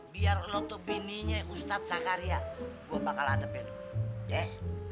biar lo tuh bininya ustadz zakaria gue bakal hadapin lo